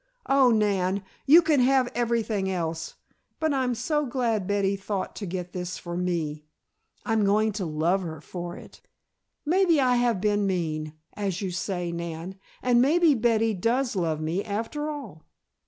Oh, Nan, you can have everything else, but I'm so glad Betty thought to get this for me! I'm going to love her for it. Maybe I have been mean, as you say, Nan, and maybe Betty does love me, after all."